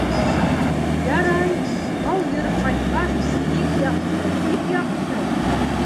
— Ярай, һау йөрөп ҡайтҡас, бик яҡшы, бик яҡшы.